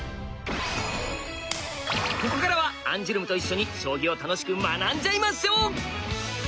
ここからはアンジュルムと一緒に将棋を楽しく学んじゃいましょう！